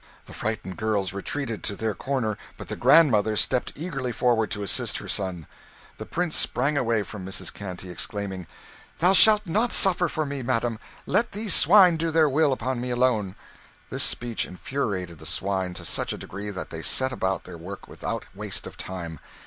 The frightened girls retreated to their corner; but the grandmother stepped eagerly forward to assist her son. The Prince sprang away from Mrs. Canty, exclaiming "Thou shalt not suffer for me, madam. Let these swine do their will upon me alone." This speech infuriated the swine to such a degree that they set about their work without waste of time.